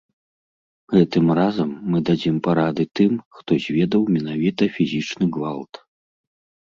Гэтым разам мы дадзім парады тым, хто зведаў менавіта фізічны гвалт.